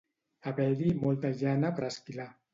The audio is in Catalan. Haver-hi molta llana per esquilar.